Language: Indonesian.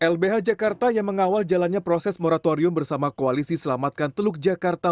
lbh jakarta yang mengawal jalannya proses moratorium bersama koalisi selamatkan teluk jakarta